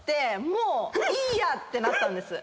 もういいやってなったんです。